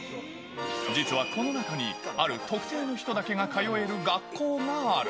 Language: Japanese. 実はこの中に、ある特定の人だけが通える学校がある。